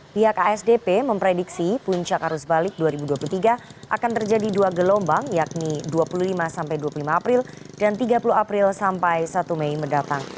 pihak asdp memprediksi puncak arus balik dua ribu dua puluh tiga akan terjadi dua gelombang yakni dua puluh lima sampai dua puluh lima april dan tiga puluh april sampai satu mei mendatang